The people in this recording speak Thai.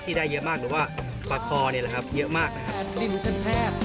ที่ได้เยอะมากหรือว่าปลาคอเนี่ยแหละครับเยอะมากนะครับ